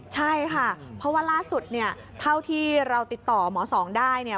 ใช่ค่ะเพราะว่าล่าสุดเนี่ยเท่าที่เราติดต่อหมอสองได้เนี่ย